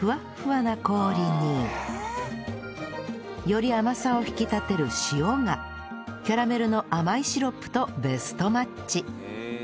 より甘さを引き立てる塩がキャラメルの甘いシロップとベストマッチ